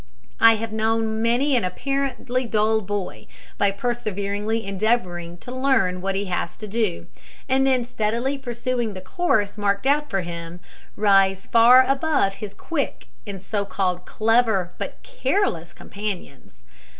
I have known many an apparently dull boy, by perseveringly endeavouring to learn what he has had to do, and then steadily pursuing the course marked out for him, rise far above his quick and so called clever but careless companions.